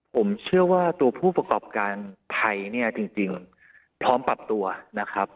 ผมเชื่อว่าตัวผู้ประกอบการไทยเนี่ยจริงพร้อมปรับตัวนะครับ